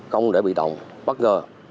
không để bị tổng bắt gơ